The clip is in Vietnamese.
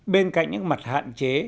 bên cạnh những mặt hạn chế